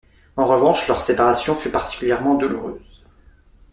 En revanche, leur séparation fut particulièrement douloureuse.